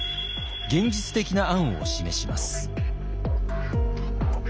現実的な案を示します。